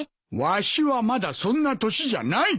わしはまだそんな年じゃない！